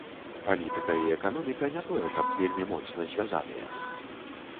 Палітыка і эканоміка не тое каб вельмі моцна звязаныя.